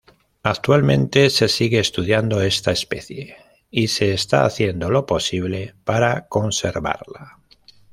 Actualmente se sigue estudiando esta especie y se está haciendo lo posible para conservarla.